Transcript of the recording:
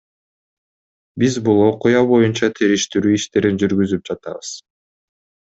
Биз бул окуя боюнча териштирүү иштерин жүргүзүп жатабыз.